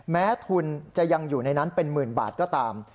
แม้ทุนจะยังอยู่ในนั้นเป็นหมื่นบาทก็ตาม